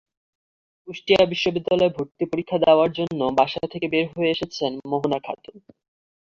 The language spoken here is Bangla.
কুষ্টিয়া বিশ্ববিদ্যালয়ে ভর্তি পরীক্ষা দেওয়ার জন্য বাসা থেকে বের হয়ে এসেছেন মোহনা খাতুন।